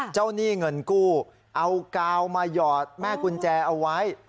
หนี้เงินกู้เอากาวมาหยอดแม่กุญแจเอาไว้